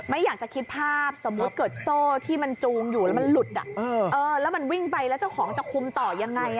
ไม่อยากจะคิดภาพสมมุติเกิดโซ่ที่มันจูงอยู่แล้วมันหลุดแล้วมันวิ่งไปแล้วเจ้าของจะคุมต่อยังไง